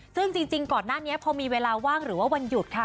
ซึ่งจริงก่อนหน้านี้พอมีเวลาว่างหรือว่าวันหยุดค่ะ